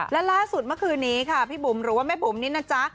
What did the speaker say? และล่าสุดเมื่อคืนนี้ค่ะพี่บุ๋มหรือว่าแม่บุ๋มนี่นะจ๊ะ